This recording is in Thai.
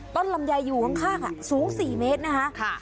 ต้นลำยายอยู่ข้างข้างสูงสี่เมตรนะคะค่ะ